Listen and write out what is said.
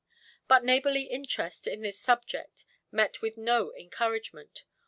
But neighbourly interest in this subject met with no encouragement.